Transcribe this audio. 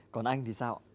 còn anh thì sao